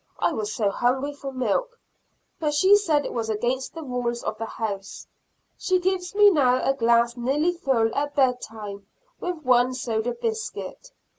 I was so hungry for milk, but she said it was against the rules of the house. She gives me now a glass nearly full at bed time, with one soda biscuit.